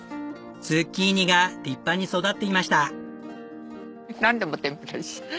ズッキーニが立派に育っていました。